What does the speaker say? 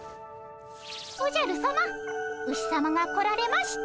おじゃるさまウシさまが来られました。